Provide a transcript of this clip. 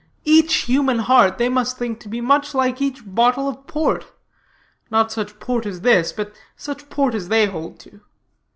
Each human heart they must think to be much like each bottle of port, not such port as this, but such port as they hold to.